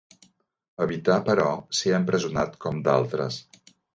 Evità, però, ser empresonat, com d'altres.